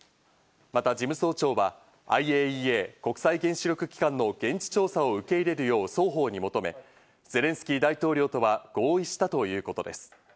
また事務総長はＩＡＥＡ＝国際原子力機関の現地調査を受け入れるよう双方に求め、ゼレンスキー大統領とは合意したということです。